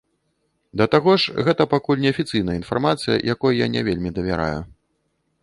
Да таго ж, гэта пакуль неафіцыйная інфармацыя, якой я не вельмі давяраю.